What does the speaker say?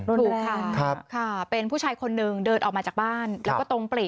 ถูกค่ะค่ะเป็นผู้ชายคนหนึ่งเดินออกมาจากบ้านแล้วก็ตรงปลีก